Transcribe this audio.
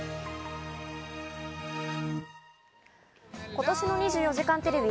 今年の『２４時間テレビ』